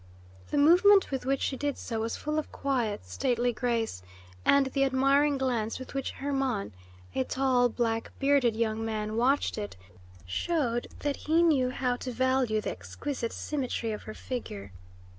The movement with which she did so was full of quiet, stately grace, and the admiring glance with which Hermon, a tall, black bearded young man, watched it, showed that he knew how to value the exquisite symmetry of her figure.